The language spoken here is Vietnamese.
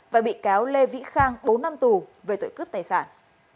và bị cáo lê vĩ khang bốn năm tù về tội cướp tài sản